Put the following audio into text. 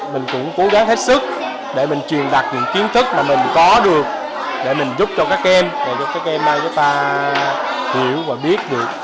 mình cũng cố gắng hết sức để mình truyền đặt những kiến thức mà mình có được để mình giúp cho các em để cho các em chúng ta hiểu và biết được